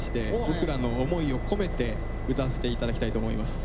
僕らの思いを込めて歌わせて頂きたいと思います。